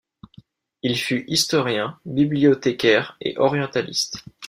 Il fut historien, bibliothécaire et orientaliste.